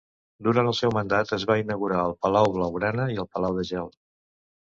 Durant el seu mandat es va inaugurar el Palau Blaugrana i el Palau de Gel.